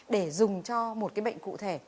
để dùng cho một cái bệnh cụ thể